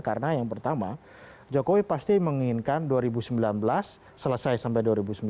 karena yang pertama jokowi pasti menginginkan dua ribu sembilan belas selesai sampai dua ribu sembilan belas